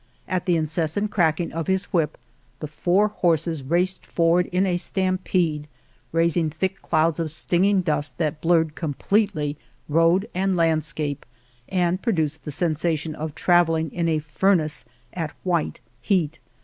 At the incessant crack ing of his whip the four horses raced for ward in a stampede, raising thick clouds of stinging dust which blurred completely road and landscape and produced the sensation of travelling in a furnace at white heat.